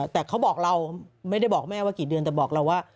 แต่เขาบอกเราไม่ได้บอกแม่ว่ากี่เดือนแต่บอกเราว่า